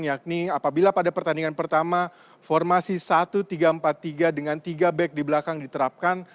yakni apabila pada pertandingan pertama formasi satu tiga empat tiga dengan tiga back di belakang diterapkan